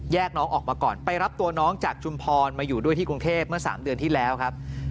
น้องออกมาก่อนไปรับตัวน้องจากชุมพรมาอยู่ด้วยที่กรุงเทพเมื่อ๓เดือนที่แล้วครับ